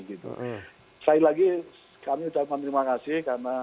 sekali lagi kami ucapkan terima kasih karena